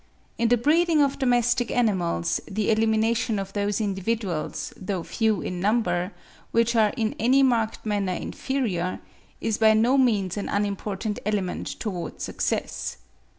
In the breeding of domestic animals, the elimination of those individuals, though few in number, which are in any marked manner inferior, is by no means an unimportant element towards success.